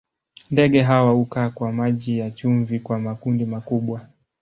Ndege hawa hukaa kwa maji ya chumvi kwa makundi makubwa.